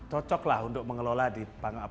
cocok lah untuk mengelola di pengamanan